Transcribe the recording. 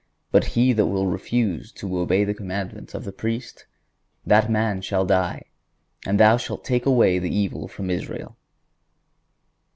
But he that will ... refuse to obey the commandment of the Priest, ... that man shall die, and thou shalt take away the evil from Israel."